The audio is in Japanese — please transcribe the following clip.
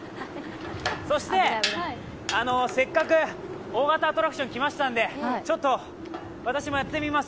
そして、せっかく大型アトラクションに来ましたので、私もやってみます。